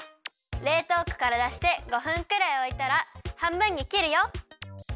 れいとうこからだして５分くらいおいたらはんぶんにきるよ！